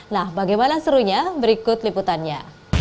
nah bagaimana serunya berikut liputannya